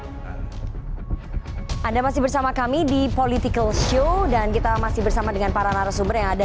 hai anda masih bersama kami di political show dan kita masih bersama dengan para narasumber yang ada